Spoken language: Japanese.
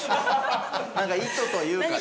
なんか意図というかね。